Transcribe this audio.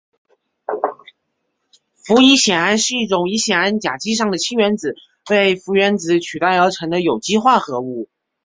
氟乙酰胺是一种乙酰胺甲基上的氢原子被氟原子取代而成的有机化合物。